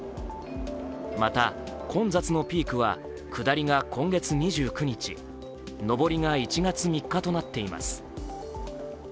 また、混雑のピークは下りが今月２９日上りが１月３日となっています。